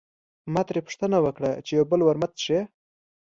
ما ترې پوښتنه وکړه چې یو بل ورموت څښې.